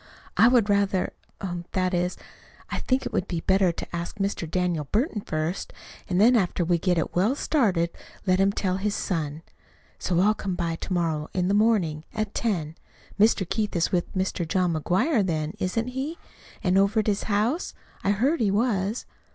"I would rather er that is, I think it would be better to ask Mr. Daniel Burton first, and then after we get it well started let him tell his son. So I'll come to morrow in the morning at ten. Mr. Keith is with Mr. John McGuire, then, isn't he? And over at his house? I heard he was."